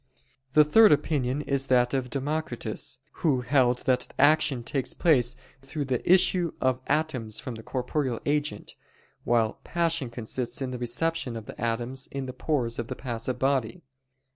The third opinion is that of Democritus, who held that action takes place through the issue of atoms from the corporeal agent, while passion consists in the reception of the atoms in the pores of the passive body.